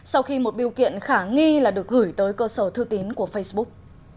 sau khi một biểu kiện khả nghi là được gửi tới cơ sở thư tiến của facebook